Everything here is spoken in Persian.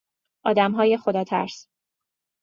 آدمهای خداترس